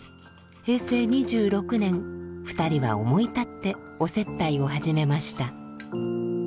平成２６年２人は思い立ってお接待を始めました。